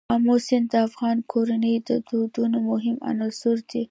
آمو سیند د افغان کورنیو د دودونو مهم عنصر دی.